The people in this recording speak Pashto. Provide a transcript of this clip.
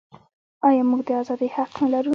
آیا موږ د ازادۍ حق نلرو؟